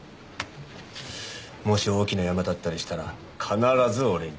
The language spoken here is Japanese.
もし大きなヤマだったりしたら必ず俺に。